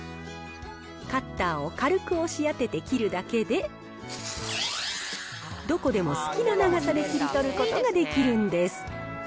カッターを軽く押し当てて切るだけで、どこでも好きな長さで切り取ることができるんです。